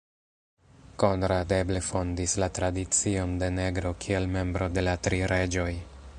Konrad eble fondis la tradicion de negro kiel membro de la Tri Reĝoj.